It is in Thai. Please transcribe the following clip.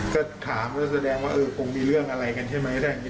ก็ถามแล้วแสดงว่าเออคงมีเรื่องอะไรกันใช่ไหมได้อย่างงี้